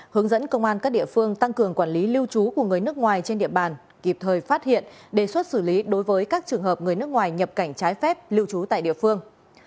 hướng dẫn công an các địa phương tăng cường quản lý lưu trú của người nước ngoài trên địa bàn kịp thời phát hiện đề xuất xử lý đối với các trường hợp người nước ngoài nhập cảnh trái phép lưu trú tại địa phương